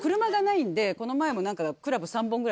この前も。